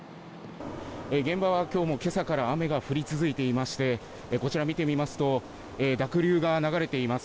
現場はきょうもけさから雨が降り続いていまして、こちら見てみますと、濁流が流れています。